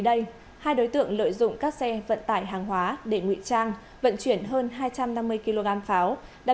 đây hai đối tượng lợi dụng các xe vận tải hàng hóa để ngụy trang vận chuyển hơn hai trăm năm mươi kg pháo đã